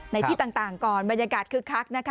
ในที่ต่างก่อนบรรยากาศคึกคักนะคะ